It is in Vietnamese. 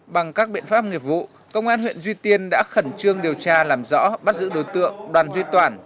bằng các biện pháp nghiệp vụ công an huyện duy tiên đã khẩn trương điều tra làm rõ bắt giữ đối tượng đoàn duy toản